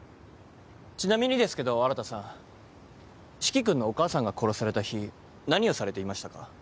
ちなみにですけど新さん四鬼君のお母さんが殺された日何をされていましたか？